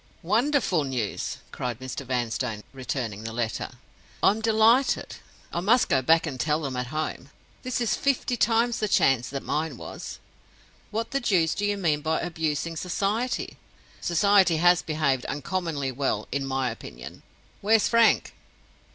"Wonderful news!" cried Mr. Vanstone, returning the letter. "I'm delighted—I must go back and tell them at home. This is fifty times the chance that mine was. What the deuce do you mean by abusing Society? Society has behaved uncommonly well, in my opinion. Where's Frank?"